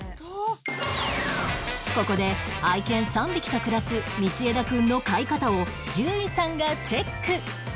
ここで愛犬３匹と暮らす道枝くんの飼い方を獣医さんがチェック